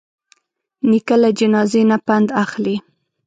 نیکه له جنازې نه پند اخلي.